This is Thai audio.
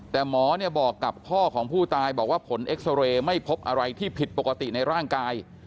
แต่หมอบอกกับพ่อของผู้ตายบอกว่าผลเอ็กซอเรย์ไม่พบอะไรที่ผิดปกติในร่างกาย